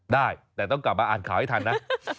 ได้แต่ต้องกลับมาอ่านข่าวให้ทันนะ